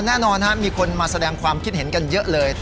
แน่นอนมีคนมาแสดงความคิดเห็นกันเยอะเลย